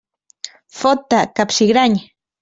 Fot-te, capsigrany!